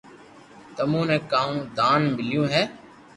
تمو ني ڪاو دان مليو ھي